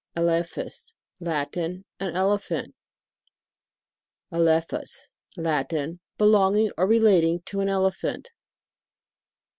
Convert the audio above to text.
ELEPHAS. Latin. An Elephant. ELEPHUS. Latin. Belonging or re lating to an elephant.